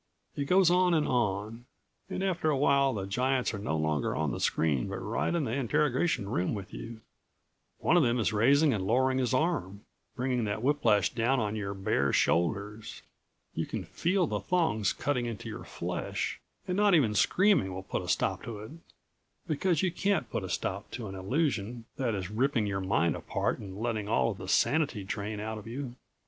It goes on and on, and after a while the giants are no longer on the screen, but right in the interrogation room with you. One of them is raising and lowering his arm, bringing the whiplash down on your bare shoulders.... You can feel the thongs cutting into your flesh, and not even screaming will put a stop to it, because you can't put a stop to an illusion that is ripping your mind apart and letting all of the sanity drain out of you.